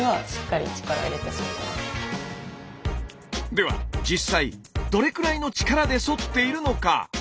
では実際どれくらいの力でそっているのか。